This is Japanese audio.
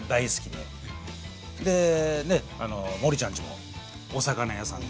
でねっあの森ちゃんちもお魚屋さんで。